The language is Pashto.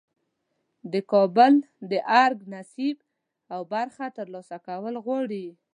د کابل د ارګ نصیب او برخه ترلاسه کول غواړي.